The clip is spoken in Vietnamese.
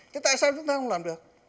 thế tại sao chúng ta không làm được